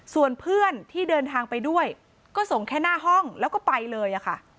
ส่วนเพื่อนที่เดินทางไปด้วยก็ส่งแค่หน้าห้องแล้วก็ไปเลยค่ะ